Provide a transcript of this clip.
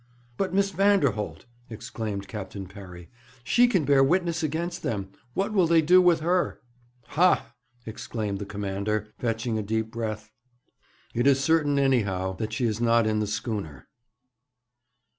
'But Miss Vanderholt?' exclaimed Captain Parry. 'She can bear witness against them. What will they do with her?' 'Ha!' exclaimed the commander, fetching a deep breath. 'It is certain, anyhow, that she is not in the schooner.'